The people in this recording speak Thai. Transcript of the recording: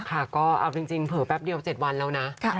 ค่ะก็เอาจริงเผลอแป๊บเดียว๗วันแล้วนะ